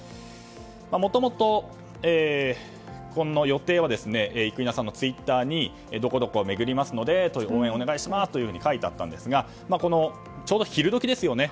もともとの予定は生稲氏のツイッターにどこどこを巡るので応援お願いしますと書いてあったんですがこのちょうど昼時ですね。